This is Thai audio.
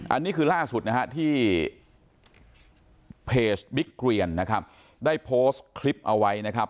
อันนี้คือล่าสุดนะฮะที่เพจบิ๊กเกรียนนะครับได้โพสต์คลิปเอาไว้นะครับ